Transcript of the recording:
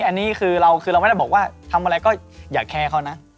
อันนี้คือเราคือเราไม่ได้บอกว่าทำอะไรก็อย่าแคร์เขานะ